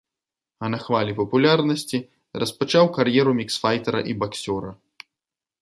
А на хвалі папулярнасці распачаў кар'еру міксфайтэра і баксёра.